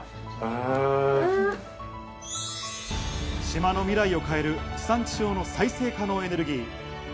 島の未来を変える地産地消の再生可能エネルギー。